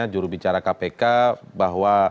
jurubicara kpk bahwa